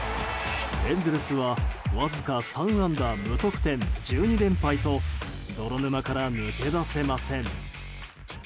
エンゼルスは、わずか３安打無得点、１２連敗と泥沼から抜け出せません。